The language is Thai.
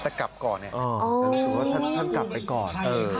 แต่กลับก่อนหรือว่าท่านกลับไปก่อน